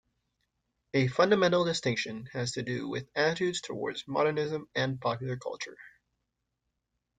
A fundamental distinction has to do with attitudes towards modernism and popular culture.